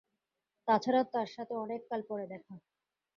তাছাড়া তাঁর সাথে অনেককাল পরে দেখা।